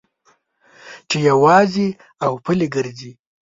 چې یوازې او پلي ګرځې.